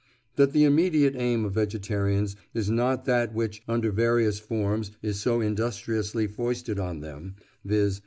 That the immediate aim of vegetarians is not that which, under various forms, is so industriously foisted on them—viz.